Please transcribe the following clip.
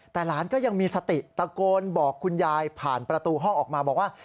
แต่หลานก็ยังมีสติตะโกนบอกคุณยายผ่านประตูห้องออกมาบอกว่า